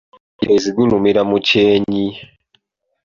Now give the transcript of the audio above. Omuteezi gulumira mu kyennyi.